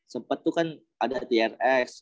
sempat tuh kan ada trs